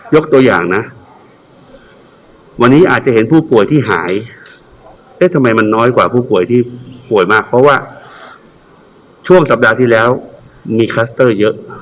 ยกตัวอย่างนะวันนี้อาจจะเห็นผู้ป่วยที่หายเอ๊ะทำไมมันน้อยกว่าผู้ป่วยที่ป่วยมากเพราะว่าช่วงสัปดาห์ที่แล้วมีคลัสเตอร์เยอะ